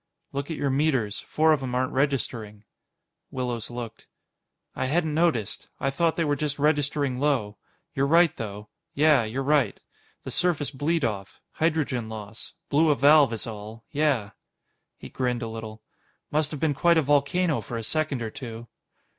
"Look at your meters. Four of 'em aren't registering." Willows looked. "I hadn't noticed. I thought they were just registering low. You're right, though. Yeah. You're right. The surface bleed off. Hydrogen loss. Blew a valve, is all. Yeah." He grinned a little. "Must've been quite a volcano for a second or two."